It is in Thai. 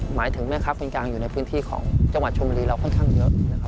หมายถึงแม่ค้าปริงยางอยู่ในพื้นที่ของจังหวัดชมบุรีเราค่อนข้างเยอะ